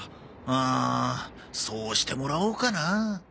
ああそうしてもらおうかな？